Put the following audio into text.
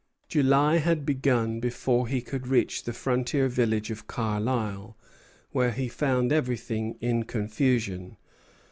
July had begun before he could reach the frontier village of Carlisle, where he found everything in confusion.